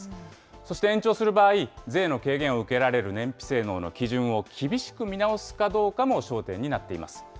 そして、延長する場合、税の軽減を受けられる燃費性能の基準を厳しく見直すかどうかも焦点になっています。